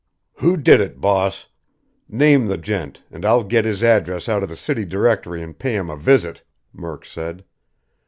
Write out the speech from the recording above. "Who did it, boss? Name the gent, and I'll get his address out of the city directory and pay him a visit!" Murk said.